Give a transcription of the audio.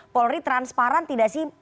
polri transparan tidak sih